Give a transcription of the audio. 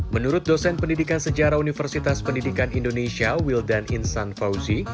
menurut dosen pendidikan sejarah universitas pendidikan indonesia wildan insan fauzi